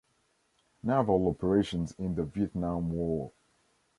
Naval operations in the Vietnam War.